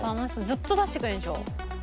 ずっと出してくれるんでしょ？